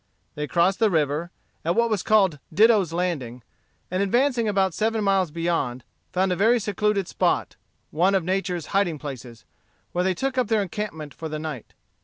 They crossed the river, at what was called Ditto's Landing, and advancing about seven miles beyond, found a very secluded spot, one of nature's hiding places, where they took up their encampment for the night.